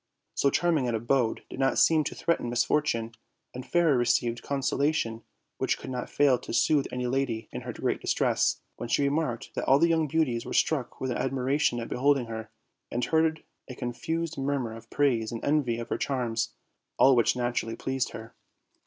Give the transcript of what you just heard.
So charming an abode did not seem to threaten misfortune, and Fairer received consolation which could not fail to soothe any lady in her great distress, when she remarked that all the young beauties were struck with admiration at beholding her, and heard a confused murmur of praise and envy of her charms; all which naturally pleased her.